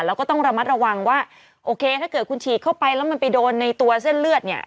แล้วก็ต้องระมัดระวังว่าโอเคถ้าเกิดคุณฉีกเข้าไปแล้วมันไปโดนในตัวเส้นเลือดเนี่ย